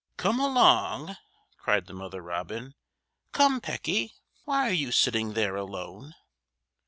"Come along!" cried the mother robin. "Come, Pecky! Why are you sitting there alone?"